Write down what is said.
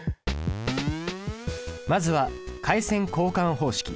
まずは回線交換方式。